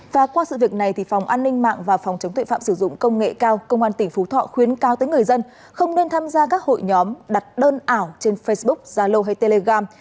và qua sự việc này phòng an ninh mạng và phòng chống tuệ phạm sử dụng công nghệ cao công an tỉnh phú thọ khuyến cao tới người dân không nên tham gia các hội nhóm đặt đơn ảo trên facebook zalo hay telegram